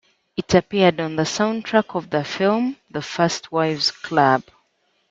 It appeared on the soundtrack of the film "The First Wives Club".